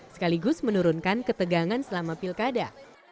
sekaligus menurunkan ketegangan selama pilkada